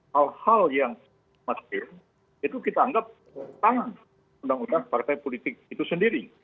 hal hal yang masih itu kita anggap tangan undang undang partai politik itu sendiri